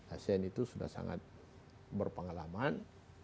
asean itu sudah sangat berpengalaman